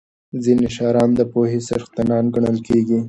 ځینې شاعران د پوهې څښتنان ګڼل کېږي.